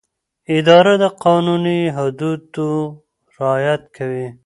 اداره د قانوني حدودو رعایت کوي.